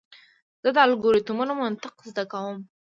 زه د الگوریتمونو منطق زده کوم.